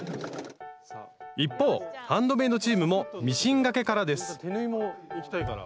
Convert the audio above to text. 一方ハンドメイドチームもミシンがけからです